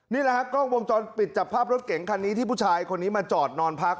นี่แหละฮะกล้องวงจรปิดจับภาพรถเก๋งคันนี้ที่ผู้ชายคนนี้มาจอดนอนพัก